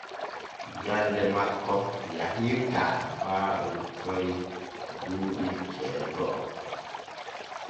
Jande makko yahirtaa faa o yottori duuɓi jeego’o.